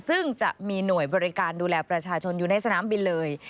ซึ่งจะมีหน่วยบริการดูแลประชาชนอยู่ในสนามบินเลย